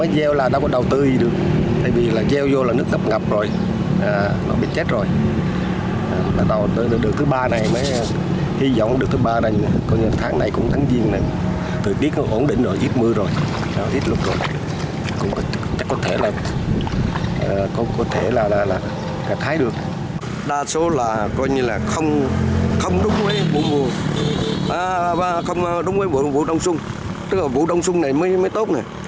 đa số là không đúng với vụ đông xuân tức là vụ đông xuân này mới tốt này